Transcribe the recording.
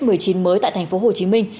mới tại thành phố hồ chí minh